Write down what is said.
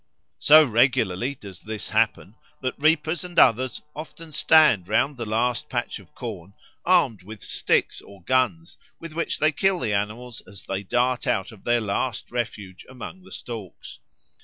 So regularly does this happen that reapers and others often stand round the last patch of corn armed with sticks or guns, with which they kill the animals as they dart out of their last refuge among the stalks.